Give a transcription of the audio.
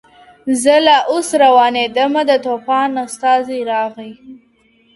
زه لا اوس روانېدمه د توپان استازی راغی!